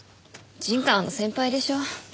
陣川の先輩でしょ？